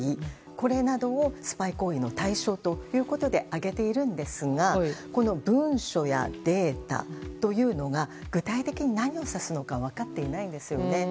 これなどをスパイ行為の対象ということで挙げているんですがこの文書やデータというのが具体的に何を指すのか分かっていないんですよね。